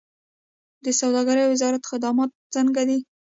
د سوداګرۍ وزارت خدمات څنګه دي؟